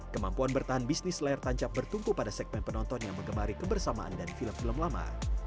kemampuan bertahan bisnis layar tancap bertumpu pada segmen penonton yang mengemari kebersamaan dan film film lama